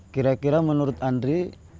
kira kira menurut andri